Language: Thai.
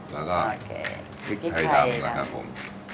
แล้วก็พริกไทยดำนะครับผม